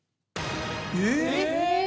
えっ